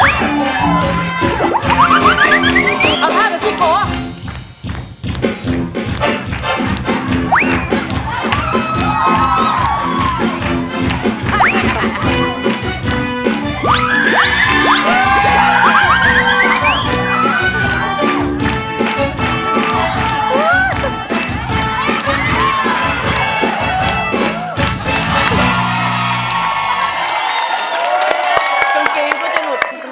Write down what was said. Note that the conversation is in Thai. เอาชาแบบพี่โก้